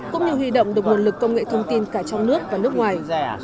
cũng như huy động được nguồn lực công nghệ thông tin cả trong nước và nước ngoài